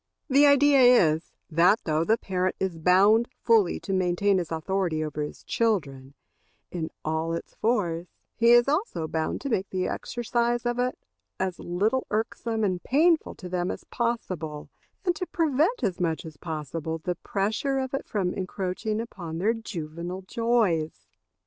The idea is, that though the parent is bound fully to maintain his authority over his children, in all its force, he is also bound to make the exercise of it as little irksome and painful to them as possible, and to prevent as much as possible the pressure of it from encroaching upon their juvenile joys.